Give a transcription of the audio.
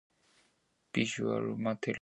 He sójocam caha.